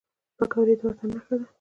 پکورې د وطن نښه ده